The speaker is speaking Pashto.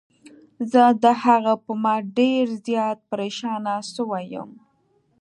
زه د هغه په مرګ ډير زيات پريشانه سوی يم.